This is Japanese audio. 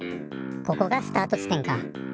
ここがスタート地点か。